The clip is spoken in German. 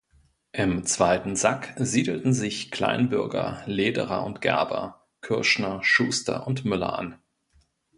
Im „zweiten Sack“ siedelten sich Kleinbürger, Lederer und Gerber, Kürschner, Schuster und Müller an.